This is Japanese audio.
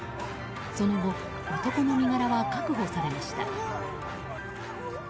その後、男の身柄は確保されました。